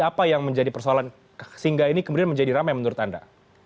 apa yang menjadi persoalan sehingga ini kemudian menjadi ramai menurut anda